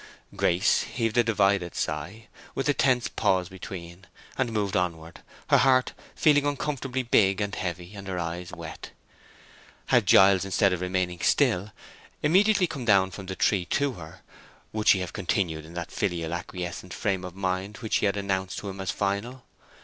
Grace heaved a divided sigh, with a tense pause between, and moved onward, her heart feeling uncomfortably big and heavy, and her eyes wet. Had Giles, instead of remaining still, immediately come down from the tree to her, would she have continued in that filial acquiescent frame of mind which she had announced to him as final?